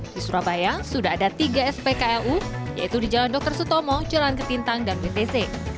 di surabaya sudah ada tiga spklu yaitu di jalan dr sutomo jalan ketintang dan btc